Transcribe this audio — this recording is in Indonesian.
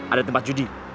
ada tempat judi